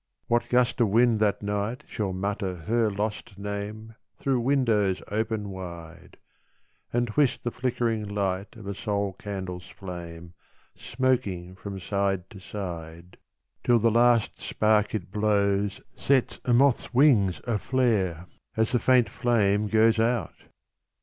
What gust of wind that night Shall mutter her lost name Through windows open wide, And twist the flickering light Of a sole candle's flame Smoking from side to side, Till the last spark it blows Sets a moth's wings aflare As the faint flame goes out